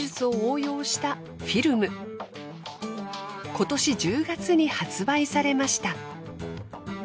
今年１０月に発売されました。